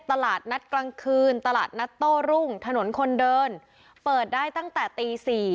ตลาดนัดกลางคืนตลาดนัดโต้รุ่งถนนคนเดินเปิดได้ตั้งแต่ตี๔